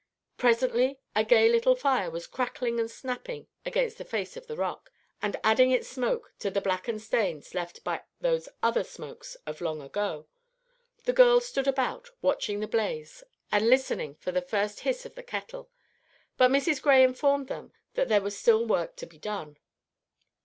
Presently a gay little fire was crackling and snapping against the face of the rock, and adding its smoke to the blackened stains left by those other smokes of long ago. The girls stood about, watching the blaze and listening for the first hiss of the kettle; but Mrs. Gray informed them that there was still work to be done.